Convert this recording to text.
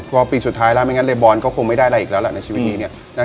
พอปีสุดท้ายแล้วไม่งั้นเรบอลก็คงไม่ได้อะไรอีกแล้วแหละในชีวิตนี้เนี่ย